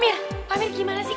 gua boleh paham